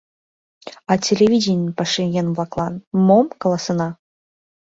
— А телевидений пашаеҥ-влаклан мом каласена?